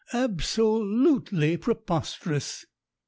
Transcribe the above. Ab so lutely preposterous!"